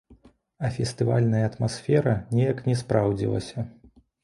А фестывальная атмасфера неяк не спраўдзілася.